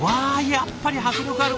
やっぱり迫力あるわ。